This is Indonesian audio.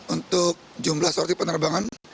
untuk jumlah sorti penerbangan